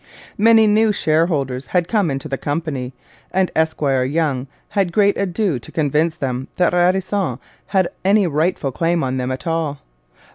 Many new shareholders had come into the Company, and 'Esquire Young' had great ado to convince them that Radisson had any rightful claim on them at all.